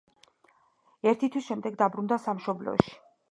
ერთი თვის შემდეგ დაბრუნდა სამშობლოში.